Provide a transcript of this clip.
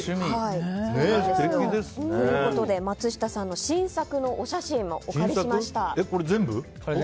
ということで松下さんの新作のお写真をこれ全部？